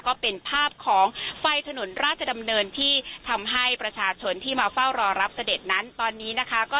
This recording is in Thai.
ก็เป็นภาพของไฟถนนราชดำเนินที่ทำให้ประชาชนที่มาเฝ้ารอรับเสด็จนั้นตอนนี้นะคะ